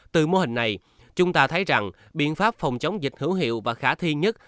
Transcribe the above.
từ mô hình này chúng ta thấy rằng biện pháp phòng chống dịch hữu hiệu và khả thi nhất